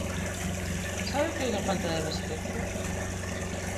¿Sabe o que é unha falta de respecto?